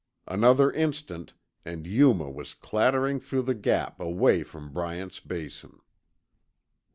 Another instant, and Yuma was clattering through the Gap away from Bryant's Basin.